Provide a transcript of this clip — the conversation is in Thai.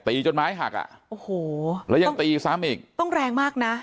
จนไม้หักอ่ะโอ้โหแล้วยังตีซ้ำอีกต้องแรงมากน่ะ